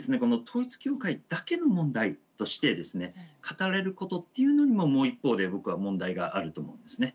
統一教会だけの問題として語られることっていうのももう一方で僕は問題があると思うんですね。